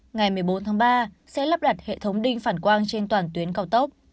ngày một mươi bốn tháng ba sẽ lắp đặt hệ thống đinh phản quang trên toàn tuyến cao tốc